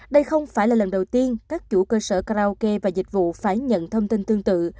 đây không phải là lần đầu tiên các chủ cơ sở karaoke và dịch vụ phải nhận thông tin tương tự